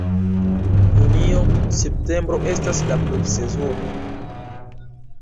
Junio-septembro estas la pluvsezono.